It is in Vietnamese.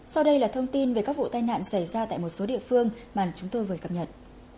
sau đây là thông tin về các vụ tai nạn xảy ra tại một số địa phương mà chúng tôi vừa cập nhật